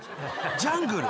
ジャングル。